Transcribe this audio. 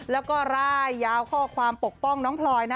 แล้วก็ร่ายยาวข้อความปกป้องน้องพลอยนะ